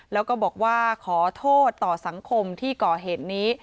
แล้วก็บอกว่าขอโทษต่อสังคมที่ก่อเหตุนี้